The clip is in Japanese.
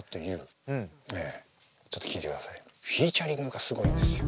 フィーチャリングがすごいんですよ。